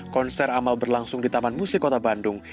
konser amal berlangsung di taman musik kota bandung